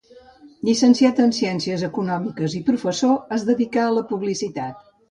Llicenciat en ciències econòmiques i professor, es dedicà a la publicitat.